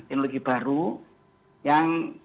teknologi baru yang